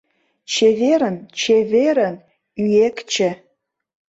Чеверын, чеверын, Ӱэкче.